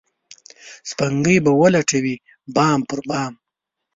سپوږمۍ به ولټوي بام پر بام